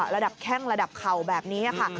แข้งระดับเข่าแบบนี้ค่ะ